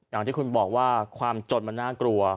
อย่างที่คุณบอกว่าความจนมันน่ากลัว